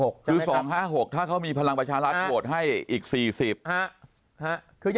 คือ๒๕๖ถ้าเขามีพลังประชารัฐโหวตให้อีก๔๐